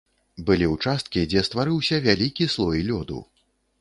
Былі ўчасткі, дзе стварыўся вялікі слой лёду.